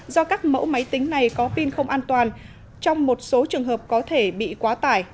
do các mẫu máy tính này có pin không an toàn trong một số trường hợp có thể bị quá tải